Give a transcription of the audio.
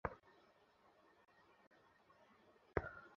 চলো, চলো, চলো।